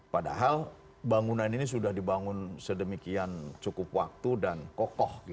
padahal bangunan ini sudah dibangun sedemikian cukup waktu dan kokoh